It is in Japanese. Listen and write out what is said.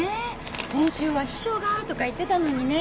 先週は「秘書が」とか言ってたのにね。